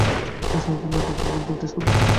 এই সময়টাতে, নাচের তালগুলো প্র্যাকটিস করব।